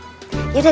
yaudah diabisin dulu